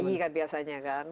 bayi kan biasanya kan